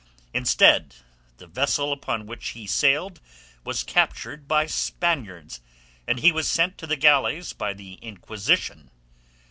Instead the vessel upon which he sailed was captured by Spaniards, and he was sent to the galleys by the Inquisition.